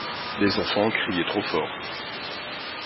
Les enfants criaient trop fort.